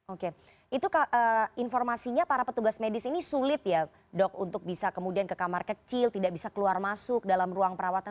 oke itu informasinya para petugas medis ini sulit ya dok untuk bisa kemudian ke kamar kecil tidak bisa keluar masuk dalam ruang perawatan